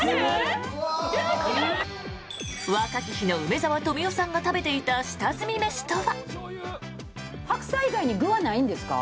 若き日の梅沢富美男さんが食べていた下積み飯とは？